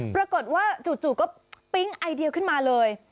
ปรากฏว่าจู่ก็ปิ๊งไอเดียขึ้นมาเลย